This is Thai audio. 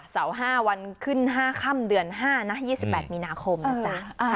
เสาร์๕วันขึ้น๕ค่ำเดือน๕นะ๒๘มีนาคมนะจ๊ะ